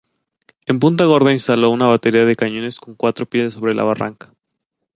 En Punta Gorda instaló una batería de cañones con cuatro piezas sobre la barranca.